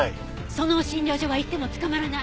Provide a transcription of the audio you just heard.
その診療所は行っても捕まらない。